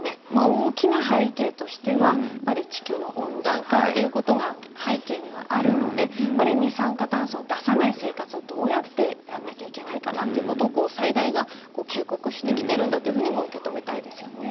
大きな背景としては地球の温暖化っていうことが背景にはあるので二酸化炭素を出さない生活をどうやってやらなきゃいけないかなっていうことを災害が警告してきているんだというふうにも受け止めたいですよね。